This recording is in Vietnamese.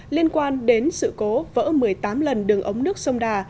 liên quan đến sự cố vỡ một mươi tám lần đường ống nước sông đà